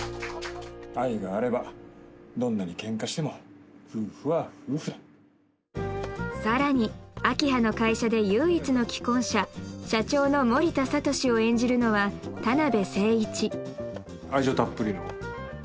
愛があればどんなにケンカしても夫婦は夫婦だ更に明葉の会社で唯一の既婚者社長の森田聡を演じるのは田辺誠一